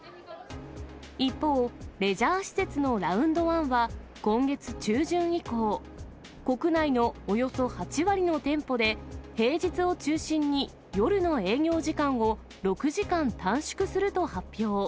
一方、レジャー施設のラウンドワンは、今月中旬以降、国内のおよそ８割の店舗で、平日を中心に夜の営業時間を６時間短縮すると発表。